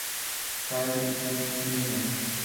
El trazado se ubica en el Aeropuerto Internacional El Jagüel.